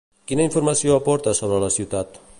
Quina informació aporta sobre la ciutat?